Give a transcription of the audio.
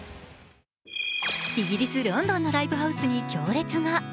イギリス・ロンドンのライブハウスに行列が。